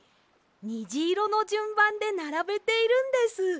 にじいろのじゅんばんでならべているんです。